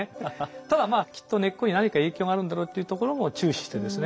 ただまあきっと根っこに何か影響があるんだろうっていうところも注視してですね